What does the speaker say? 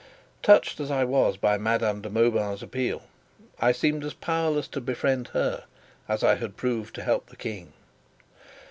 Touched as I was by Madame de Mauban's appeal, I seemed as powerless to befriend her as I had proved to help the King.